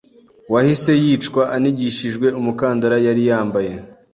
wahise yicwa anigishijwe umukandara yari yambaye